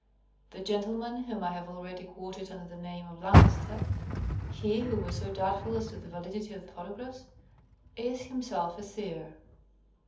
The gentleman whom I have already quoted under the name of Lancaster — ^he who was so doubtful as to the validity of the photographs — is himself a seer.